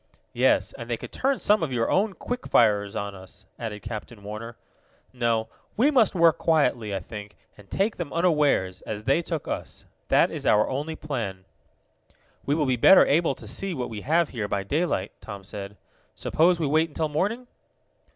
"Yes, and they could turn some of your own quick firers on us," added Captain Warner. "No, we must work quietly, I think, and take them unawares, as they took us. That is our only plan." "We will be better able to see what we have here by daylight," Tom said. "Suppose we wait until morning?"